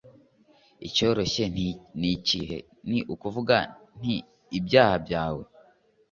Icyoroshye ni ikihe Ni ukuvuga nti Ibyaha byawe